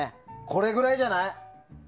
これぐらいじゃない？